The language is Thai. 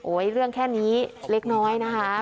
เรื่องแค่นี้เล็กน้อยนะคะ